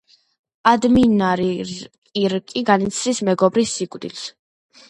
ადმირალი კირკი განიცდის მეგობრის სიკვდილს.